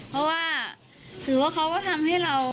เพราะว่าถือว่าเขาก็ทำให้เรา